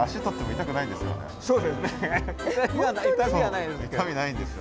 痛みないんですよ。